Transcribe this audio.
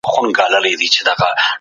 دروغ به په مینه کي ځای پیدا کړي.